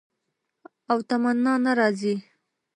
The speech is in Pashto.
او تمنا نه راځي